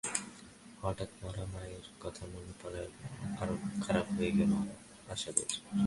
হঠাৎ মরা মায়ের কথা মনে পড়ায় মনটা আরো খারাপ হয়ে গেলো আসাদের।